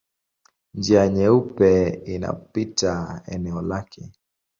Njia Nyeupe inapita eneo lake.